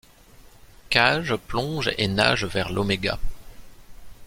Cage plonge et nage vers l'Oméga.